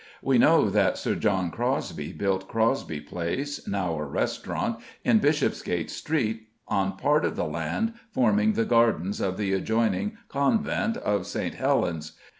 We know that Sir John Crosbie built Crosbie Place, now a restaurant, in Bishopsgate Street, on part of the land forming the gardens of the adjoining Convent of St. Helen's.